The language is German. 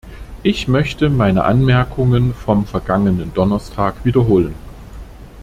Ich möchte meine Anmerkungen vom vergangenen Donnerstag wiederholen.